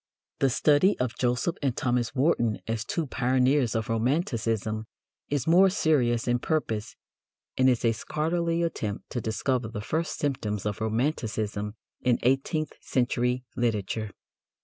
The study of Joseph and Thomas Warton as "two pioneers of romanticism" is more serious in purpose, and is a scholarly attempt to discover the first symptoms of romanticism in eighteenth century literature.